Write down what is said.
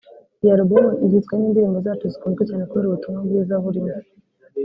Iyi Album igizwe n’indirimbo zacu zikunzwe cyane kubera ubutumwa bwiza burimo